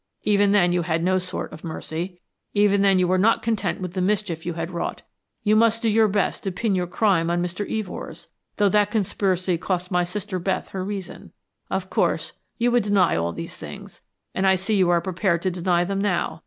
Even then you had no sort of mercy, even then you were not content with the mischief you had wrought. You must do your best to pin your crime to Mr. Evors, though that conspiracy cost my sister Beth her reason. Of course, you would deny all these things, and I see you are prepared to deny them now.